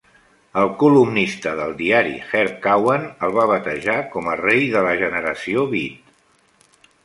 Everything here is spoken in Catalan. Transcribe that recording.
El columnista del diari Herb Cauen el va batejar com a 'Rei de la Generació Beat'.